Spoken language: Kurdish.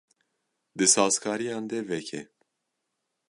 Di sazkariyan de veke.